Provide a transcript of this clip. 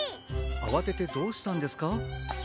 あわててどうしたんですか？